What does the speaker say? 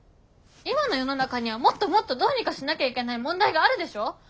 今の世の中にはもっともっとどうにかしなきゃいけない問題があるでしょ！